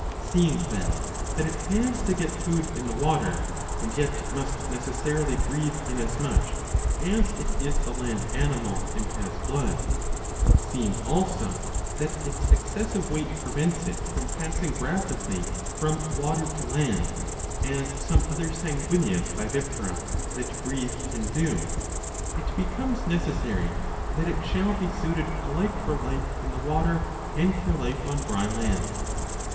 Seeing then that it 659 a. ii. i6. 51 has to get food In the water,^ and yet must necessarily breathe, inasmuch as it is a land animal and has blood ; seeing, also, that its excessive weight prevents it from passing rapidly from water to land, as some other sanguineous vivipara that breathe can do, it becomes necessary that it shall be suited alike for life in the water and for life on dry land.